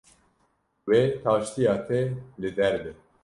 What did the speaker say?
Wê taştiya te li der be